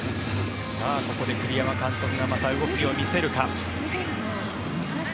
ここで栗山監督がまた動きを見せるか。